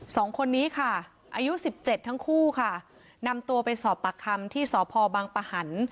สองคนนี้ค่ะอายุสิบเจ็ดทั้งคู่ค่ะนำตัวไปสอบปากคำที่สพบังปะหัน